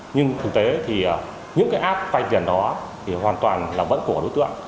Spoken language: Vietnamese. nhưng thực tế thì những cái ad vay tiền đó thì hoàn toàn là vẫn của đối tượng